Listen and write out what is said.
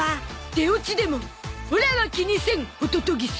出オチでもオラは気にせんホトトギス